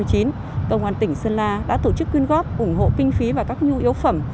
công an tỉnh sơn la đã tổ chức quyên góp ủng hộ kinh phí và các nhu yếu phẩm